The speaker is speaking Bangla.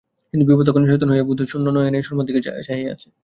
বিভা তখন হতচেতন হইয়া বোধশূন্য নয়নে সুরমার দিকে চাহিয়া আছে।